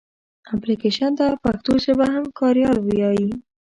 اپلکېشن ته پښتو ژبه کې کاریال وایې.